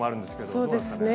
そうですね。